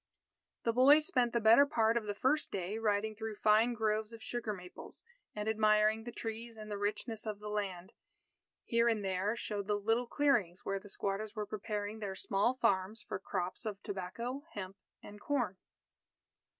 The boy spent the better part of the first day riding through fine groves of sugar maples, and admiring the trees and the richness of the land. Here and there showed the little clearings, where the squatters were preparing their small farms for crops of tobacco, hemp, and corn.